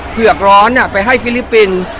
เผือกร้อนไปให้ฟิลิปปินส์